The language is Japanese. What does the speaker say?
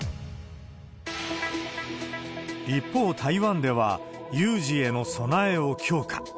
一方、台湾では有事への備えを強化。